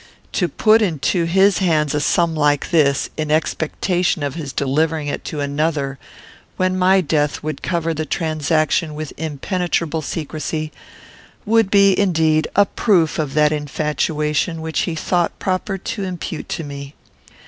To put into his hands a sum like this, in expectation of his delivering it to another, when my death would cover the transaction with impenetrable secrecy, would be, indeed, a proof of that infatuation which he thought proper to impute to me.